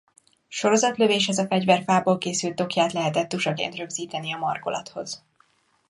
Sorozatlövéshez a fegyver fából készült tokját lehetett tusaként rögzíteni a markolathoz.